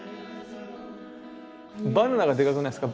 バナナがでかくないですか